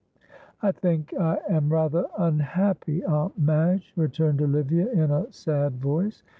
"I think I am rather unhappy, Aunt Madge," returned Olivia, in a sad voice.